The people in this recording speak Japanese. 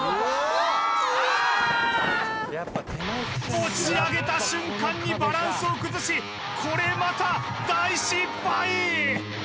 持ち上げた瞬間にバランスを崩しこれまた大失敗！